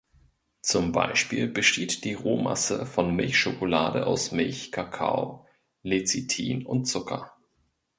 Zum Beispiel besteht die Rohmasse von Milchschokolade aus Milch, Kakao, Lecithine und Zucker.